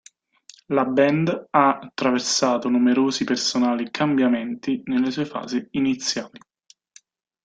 La band ha attraversato numerosi personali cambiamenti nelle sue fasi iniziali.